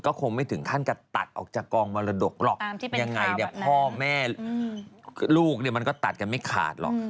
ก็คงไม่ถึงขั้นจะตัดออกจากกองมรดกหรอกยังไงเนี่ยพ่อแม่ลูกเนี่ยมันก็ตัดกันไม่ขาดหรอก